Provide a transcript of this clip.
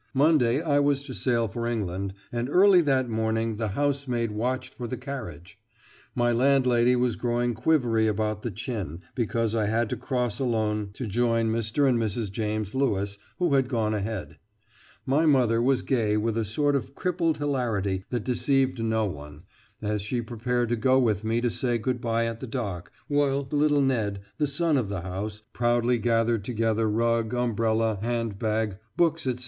Monday I was to sail for England, and early that morning the housemaid watched for the carriage. My landlady was growing quivery about the chin, because I had to cross alone to join Mr. and Mrs. James Lewis, who had gone ahead, My mother was gay with a sort of crippled hilarity that deceived no one, as she prepared to go with me to say good bye at the dock, while little Ned, the son of the house, proudly gathered together rug, umbrella, hand bag, books, etc.